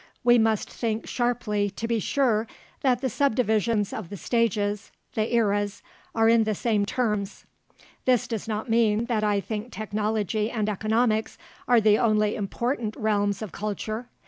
We must think sharply to be sure that the subdivisions of the stages, the eras, are in the same terms. This does not mean that I think technology and economics are the only important realms of culture.